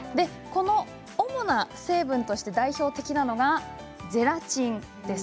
主な成分として代表的なのがゼラチンです。